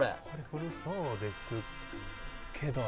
古そうですけどね。